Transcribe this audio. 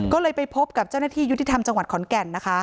ก็เลยไปพบกับเจ้าหน้าที่ยุติธรรมจังหวัดขอนแก่นนะคะ